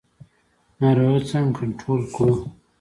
ناروغي څنګه کنټرول کړو؟